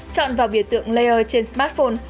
chọn vào biểu tượng layer trên smartphone